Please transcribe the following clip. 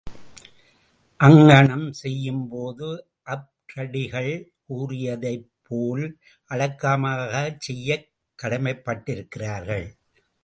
அங்ஙணம் செய்யும்போது அப்பரடிகள் கூறியதைப்போல் அடக்கமாகச் செய்யக் கடமைப் பட்டிருக்கிறார்கள்.